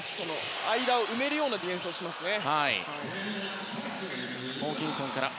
間を埋めるようなディフェンスをしますね。